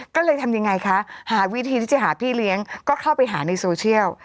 ก็เลยทำยังไงคะหาวิธีที่จะหาพี่เลี้ยงก็เข้าไปหาในโซเชียล